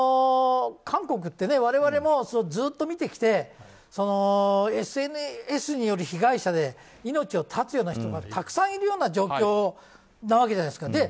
韓国って我々もずっと見てきてＳＮＳによる被害者で命を絶つような人たちがたくさんいるような状況なわけじゃないですか。